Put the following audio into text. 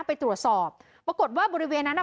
ไปตรวจสอบปรากฏว่าบริเวณนั้นอ่ะ